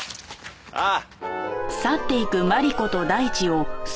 ああ。